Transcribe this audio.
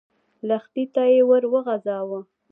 لښتي ته يې ور وغځاوه.